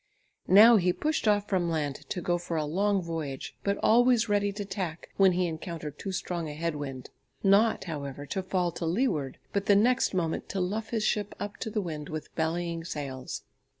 Now he pushed off from land to go for a long voyage, but always ready to tack when he encountered too strong a head wind, not, however, to fall to leeward, but the next moment to luff his ship up to the wind with bellying sails.